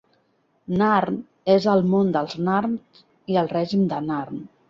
Narn es és el món dels narn i el Règim de Narn.